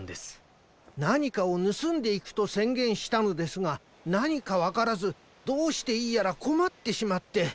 なにかをぬすんでいくとせんげんしたのですがなにかわからずどうしていいやらこまってしまって。